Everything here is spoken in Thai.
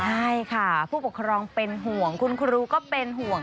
ใช่ค่ะผู้ปกครองเป็นห่วงคุณครูก็เป็นห่วง